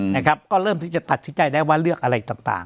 นะครับก็เริ่มที่จะตัดสินใจได้ว่าเลือกอะไรต่าง